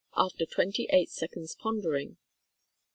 (after twenty eight seconds' pondering).